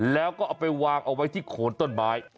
แล้วก็เอาไปวางเอาไว้ที่โคนต้นไม้